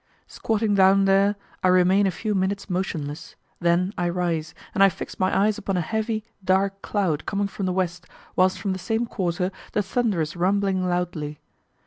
Squatting down there, I remain a few minutes motionless, then I rise, and I fix my eyes upon a heavy, dark cloud coming from the west, whilst from the same quarter the thunder is rumbling loudly.